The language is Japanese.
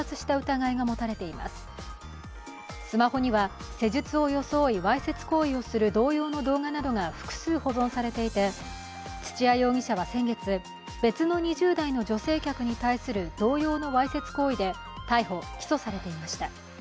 スマホには施術を装いわいせつ行為をする同様の動画などが複数保存されていて、土谷容疑者は先月別の２０代の女性客に対する同様のわいせつ行為で逮捕・起訴されていました。